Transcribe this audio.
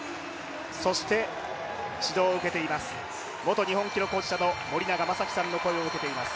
そして指導を受けています、元日本記録保持者の森長正樹さんの声を受けています。